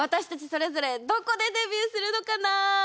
それぞれどこでデビューするのかな？